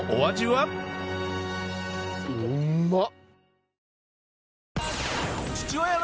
うまっ！